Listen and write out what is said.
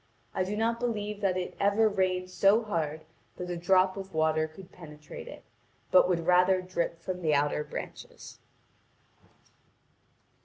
I do not believe that it ever rained so hard that a drop of water could penetrate it, but would rather drip from the outer branches.